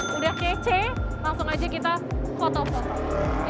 sudah kece langsung aja kita foto foto